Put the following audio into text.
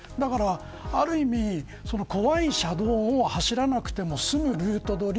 ある意味、怖い車道を走らなくてもすむルート取り。